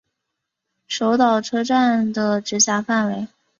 手稻车站的直辖范围。